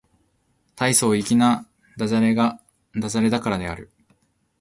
大層粋な駄洒落だからである